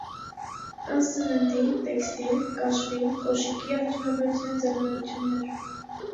Կան սննդի, տեքստիլ, կաշվի, կոշիկի արդյունաբերության ձեռնարկություններ։